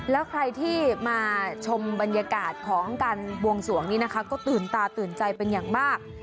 แล้วใครที่มาชมบรรยากาศของการบวงสวงนี้นะคะก็ตื่นตาตื่นใจเป็นอย่างมาก